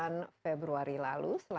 ini lembaga penelitian remaining cow agricult